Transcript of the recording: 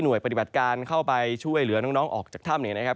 ปฏิบัติการเข้าไปช่วยเหลือน้องออกจากถ้ำเนี่ยนะครับ